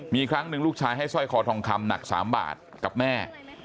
มีครั้งหนึ่งลูกชายให้สร้อยคอทองคำหนัก๓บาทกับแม่